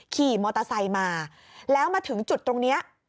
ขี่มอเตอร์ไซค์มาแล้วมาถึงจุดตรงนี้